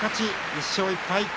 １勝１敗。